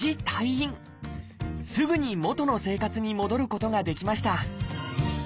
すぐに元の生活に戻ることができました